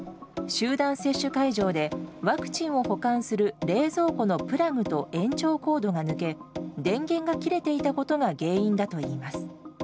集団接種会場でワクチンを保管する冷蔵庫のプラグと延長コードが抜け電源が切れていたことが原因だといいます。